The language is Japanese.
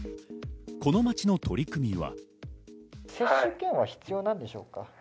この町の取り組みは。